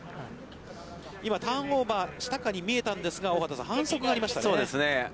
今、ターンオーバーしたかに見えたんですが、大畑さん、反則がありましたね。